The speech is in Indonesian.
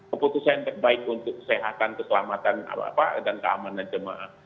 keputusan yang terbaik untuk kesehatan keselamatan dan keamanan jemaah